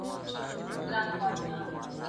زه بايد لیکل وکړم،